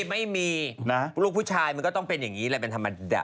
ไม่มีนะลูกผู้ชายมันก็ต้องเป็นอย่างนี้แหละเป็นธรรมดา